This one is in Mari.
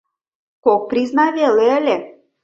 — Кок призна веле ыле.